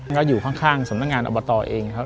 ก็อยู่ข้างสำนักงานอบตเองครับ